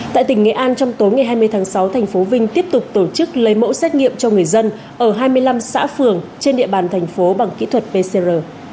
tại tỉnh nghệ an trong tối ngày hai mươi tháng sáu thành phố vinh tiếp tục tổ chức lấy mẫu xét nghiệm cho người dân ở hai mươi năm xã phường trên địa bàn thành phố bằng kỹ thuật pcr